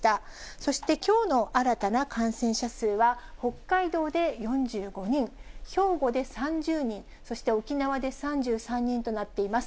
そしてきょうの新たな感染者数は、北海道で４５人、兵庫で３０人、そして沖縄で３３人となっています。